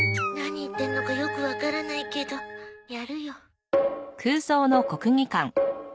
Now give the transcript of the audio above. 何言ってんのかよくわからないけどやるよ。